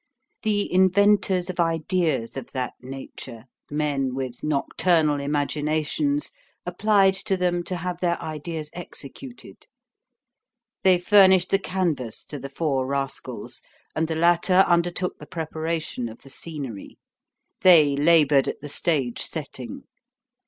The inventors of ideas of that nature, men with nocturnal imaginations, applied to them to have their ideas executed. They furnished the canvas to the four rascals, and the latter undertook the preparation of the scenery. They labored at the stage setting.